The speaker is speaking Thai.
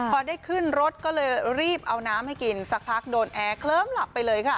พอได้ขึ้นรถก็เลยรีบเอาน้ำให้กินสักพักโดนแอร์เคลิ้มหลับไปเลยค่ะ